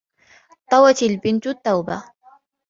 طَوَتْ الْبِنْتُ الثَّوْبَ.